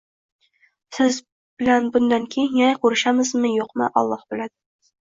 Siz bilan bundan keyin yana ko`rishamizmi, yo`qmi Olloh biladi